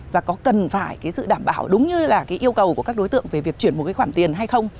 và có cần phải sự đảm bảo đúng như yêu cầu của các đối tượng về việc chuyển một khoản tiền hay không